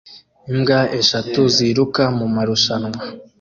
Imbwa eshatu ziruka mumarushanwa